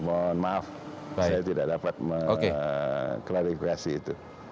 mohon maaf saya tidak dapat mengklarifikasi itu